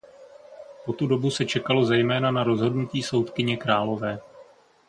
Po tu dobu se čekalo zejména na rozhodnutí soudkyně Králové.